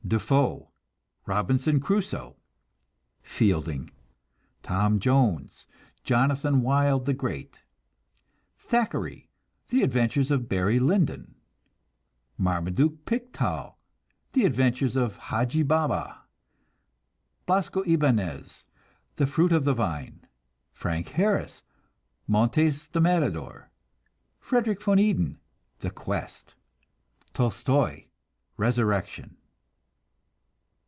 De Foe: Robinson Crusoe. Fielding: Tom Jones, Jonathan Wild the Great. Thackeray: The Adventures of Barry Lyndon. Marmaduke Pickthall: The Adventures of Hadji Baba. Blasco Ibanez: The Fruit of the Vine. Frank Harris: Montes the Matador. Frederik van Eeden: The Quest. Tolstoi: Resurrection.